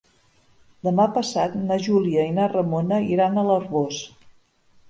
Demà passat na Júlia i na Ramona iran a l'Arboç.